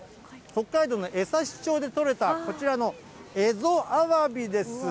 北海道の江差町で取れた、こちらの蝦夷アワビです。